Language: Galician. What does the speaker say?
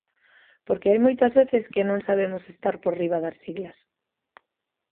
Porque hai moitas veces que non sabemos estar por riba das siglas.